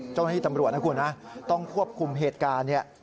เจ้าหน้าที่ตำรวจนะคุณนะต้องควบคุมเหตุการณ์เนี่ย